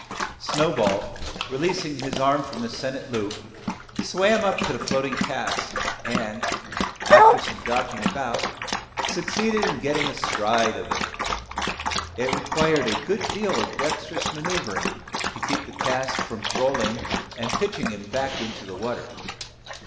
Snowball, releasing his arm from the sennit loop, swam up to the floating cask; and, after some dodging about, succeeded in getting astride of it. It required a good deal of dexterous manoeuvring to keep the cask from rolling, and pitching him back into the water.